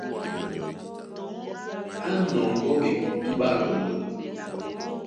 Á nɔŋgɔ́ ɓekutú ɓá lɔndɔ.